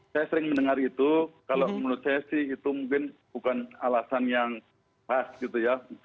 saya sering mendengar itu kalau menurut saya sih itu mungkin bukan alasan yang khas gitu ya